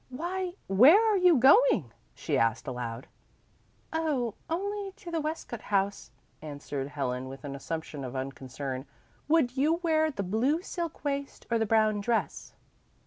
"Why, where are you going?" she asked aloud. "Oh, only to the Westcott House," answered Helen with an assumption of unconcern. "Would you wear the blue silk waist or the brown dress?"